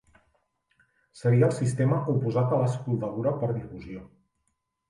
Seria el sistema oposat a la soldadura per difusió.